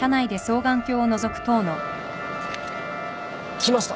来ました。